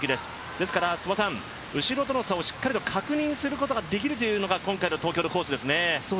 ですから後ろとの差をしっかりと確認することができるというのが今回の東京のコースですね。